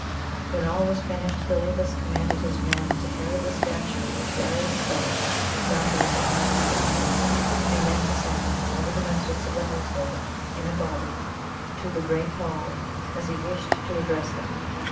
When all was finished, Heliobas commanded his men to carry the statue of Zara's self down to his own private room, and then to summon all the domestics of the household in a body to the great hall, as he wished to address them.